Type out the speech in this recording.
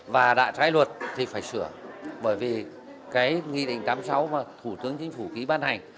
và đã trái luật thì phải sửa bởi vì cái nghị định tám mươi sáu mà thủ tướng chính phủ ký ban hành